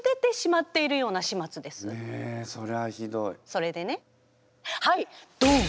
それでねはいどん！